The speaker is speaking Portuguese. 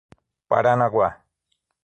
Paranaguá